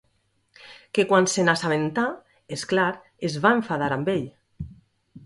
Que quan se n'assabentà, és clar, es va enfadar amb ell.